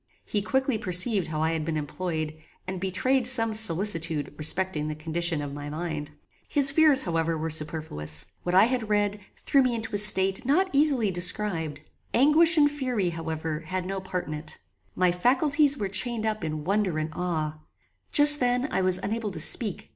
He quickly perceived how I had been employed, and betrayed some solicitude respecting the condition of my mind. His fears, however, were superfluous. What I had read, threw me into a state not easily described. Anguish and fury, however, had no part in it. My faculties were chained up in wonder and awe. Just then, I was unable to speak.